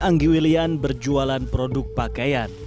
anggi wilian berjualan produk pakaian